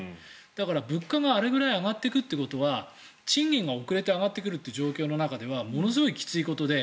だから物価が、あれくらい上がっていくということは賃金が遅れて上がってくるという状況の中ではものすごいきついことで。